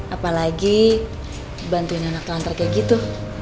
apalagi bantuin anak kanker kayak gitu